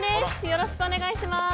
よろしくお願いします。